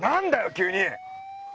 ⁉急に！